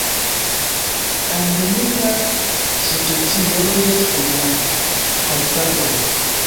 Endemia subspecio loĝas en la Falklandoj.